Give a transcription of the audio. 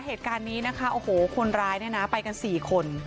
เหตุการณ์นี้นะคะโอ้โหคนร้ายเนี่ยนะไปกัน๔คน